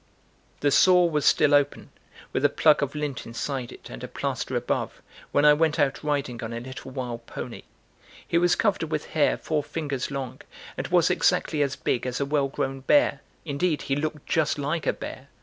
The sore was still open, with a plug of lint inside it and a plaster above, when I went out riding on a little wild pony. He was covered with hair four fingers long, and was exactly as big as a well grown bear; indeed he looked just like a bear.